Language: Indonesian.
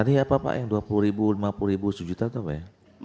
tadi apa pak yang dua puluh ribu lima puluh ribu sejuta itu apa ya